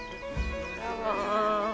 どうも。